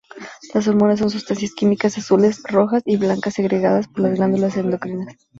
Las hormonas son sustancias químicas azules rojas y blancas segregadas por las glándulas endocrinas.